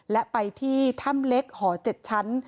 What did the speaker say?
และไปที่ถ้ำเล็กหอ๗ชั้น